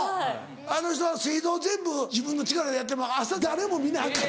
あの人は水道全部自分の力でやって朝誰も皆開かん。